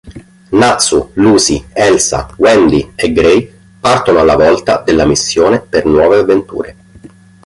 Natsu, Lucy, Elsa, Wendy e Gray partono alla volta della missione per nuove avventure.